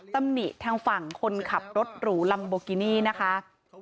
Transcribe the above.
ตำหนิทางฝั่งคนขับรถหรูลัมโบกินี่นะคะ